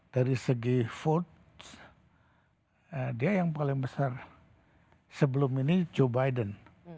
dari segi vote dia yang paling besar sebelum ini joe biden